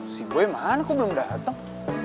si gue mana kok belum datang